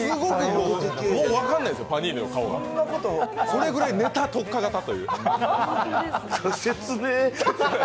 それくらいネタ特化型というか。